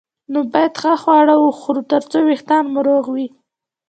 نو باید ښه خواړه وخورو ترڅو وېښتان مو روغ وي